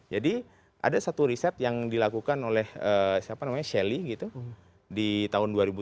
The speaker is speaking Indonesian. jadi ada satu riset yang dilakukan oleh siapa namanya shelly gitu di tahun dua ribu tiga